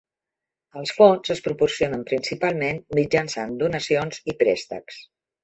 Els fons es proporcionen principalment mitjançant donacions i préstecs.